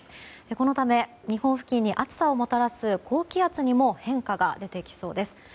このため日本付近に暑さをもたらす高気圧にも変化が出てきそうです。